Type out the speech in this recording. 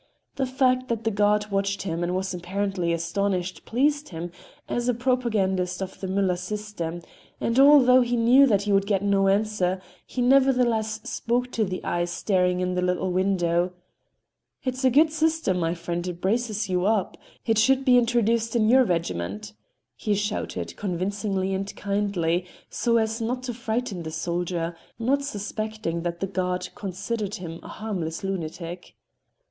The fact that the guard watched him and was apparently astonished, pleased him as a propagandist of the Müller system; and although he knew that he would get no answer he nevertheless spoke to the eye staring in the little window: "It's a good system, my friend, it braces you up. It should be introduced in your regiment," he shouted convincingly and kindly, so as not to frighten the soldier, not suspecting that the guard considered him a harmless lunatic.